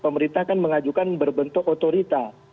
pemerintahan akan mengajukan berbentuk otorita